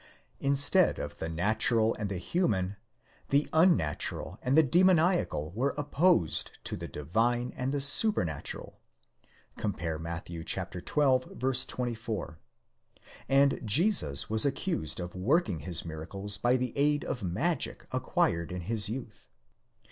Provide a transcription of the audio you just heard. Instead of the natural and the human, the unnatural and the demoniacal were opposed to the divine and the supernatural (comp. Matt. xii. 24), and Jesus was accused of working his miracles by the aid of magic acquired in his youth.